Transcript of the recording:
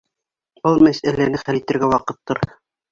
Был мәсьәләне хәл итергә ваҡыттыр.